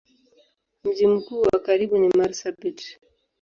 Mji mkubwa wa karibu ni Marsabit.